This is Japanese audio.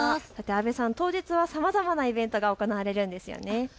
阿部さん、当日はさまざまなイベントが行われるんですよね。